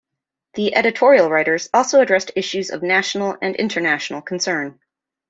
The editorial writers also addressed issues of national and international concern.